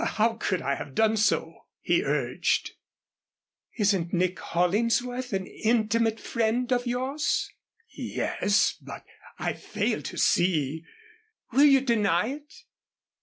"How could I have done so?" he urged. "Isn't Nick Hollingsworth an intimate friend of yours?" "Yes, but I fail to see " "Will you deny it?"